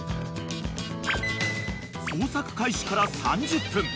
［捜索開始から３０分］